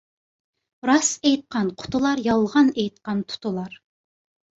راست ئېيتقان قۇتۇلار، يالغان ئېيتقان تۇتۇلار.